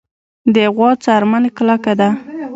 د غوا څرمن کلکه ده.